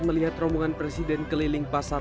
melihat rombongan presiden keliling pasar